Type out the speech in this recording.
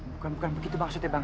bukan bukan begitu pak siti bang